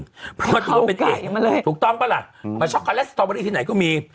กะเพราไก่มาเลยถูกต้องปะล่ะมันช็อกโกแลตสตรอเบอร์รี่ที่ไหนก็มี